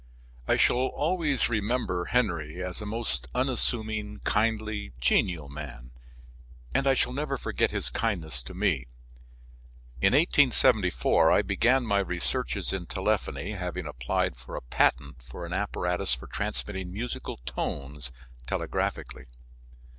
I shall always remember Henry as a most unassuming, kindly, genial man, and I shall never forget his kindness to me. In 1874 I began my researches in telephony, having applied for a patent for an apparatus for transmitting musical tones telegraphically.